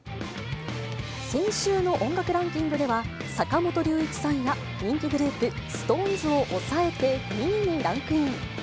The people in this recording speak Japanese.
先週の音楽ランキングでは、坂本龍一さんや、人気グループ、ＳｉｘＴＯＮＥＳを押さえて２位にランクイン。